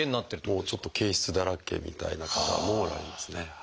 もうちょっと憩室だらけみたいな方もおられますね。